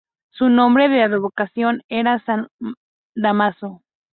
Su nombre de advocación era "San Dámaso".